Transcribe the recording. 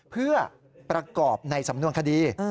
เพื่อประกอบในสำนวนคดี